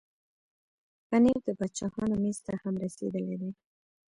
پنېر د باچاهانو مېز ته هم رسېدلی دی.